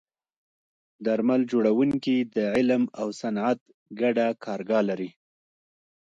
درمل جوړونکي د علم او صنعت ګډه کارګاه لري.